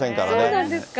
そうなんですか？